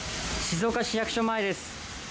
静岡市役所前です。